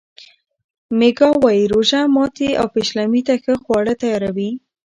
میکا وايي روژه ماتي او پیشلمي ته ښه خواړه تیاروي.